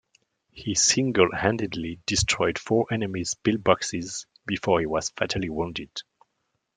He single-handedly destroyed four enemy pillboxes before he was fatally wounded.